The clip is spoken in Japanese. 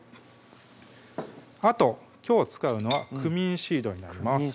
あときょう使うのはクミンシードになります